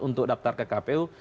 untuk daftar ke kpu